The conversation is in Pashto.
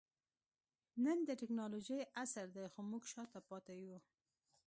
نن د ټکنالوجۍ عصر دئ؛ خو موږ شاته پاته يو.